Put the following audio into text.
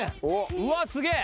うわっすげえ。